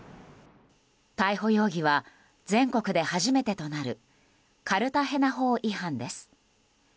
逮捕容疑は、全国で初めてとなるカルタヘナ法違反です。